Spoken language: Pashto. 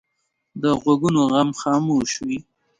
د غوږونو غم خاموش وي